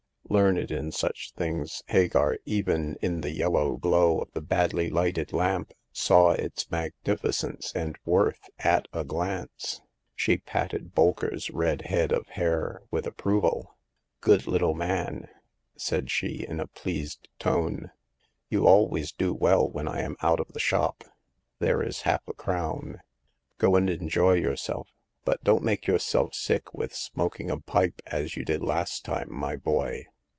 Learned in such things, Hagar, even in the yellow glow of the badly lighted lamp, saw its magnificence and worth at a glance. She patted Bolker's red head of hair with approval. " Good little man !" said she, in a pleased tone. You always do well when I am out of the shop. There is half a crown. Go and en joy yourself, but don't make yourself sick with smoking a pipe as . you did last time, my boy.